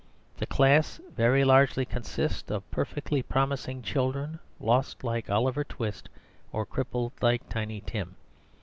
The class very largely consists of perfectly promising children, lost like Oliver Twist, or crippled like Tiny Tim.